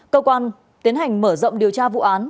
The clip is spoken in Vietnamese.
cơ quan tiến hành mở rộng điều tra vụ án